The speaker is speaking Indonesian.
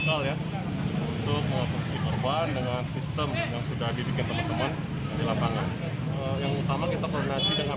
dengan sistem yang sudah dibuat teman teman di lapangan yang utama kita kondisi dengan